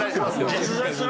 実在する？